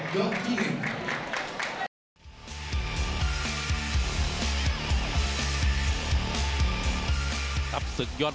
เขากดไปออกเลยนะค่ะ